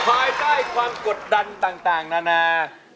ภายใต้ความกดดันต่างนานา